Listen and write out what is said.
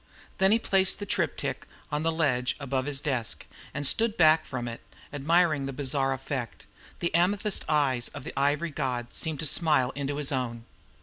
Then he placed the triptych on the ledge above his desk, and stood back from it, admiring the bizarre effect. The amethyst eyes of the ivory god seemed to smile into his own.